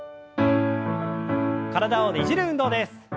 体をねじる運動です。